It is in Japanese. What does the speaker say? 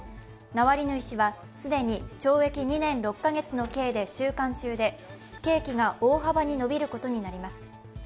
ナワリヌイ氏は既に懲役２年６カ月の刑で収監中で刑期が大幅に伸びることになります。